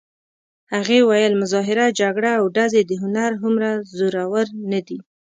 هغې ویل: مظاهره، جګړه او ډزې د هنر هومره زورور نه دي.